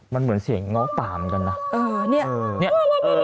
มันเหมือนเสียงง้อป่าเหมือนกันนะ